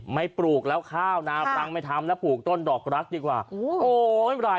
ไม่ปรูกแล้วข้าวน้ำปรังไม่ทำแล้วปลูกต้นดอกลั็กดีกว่า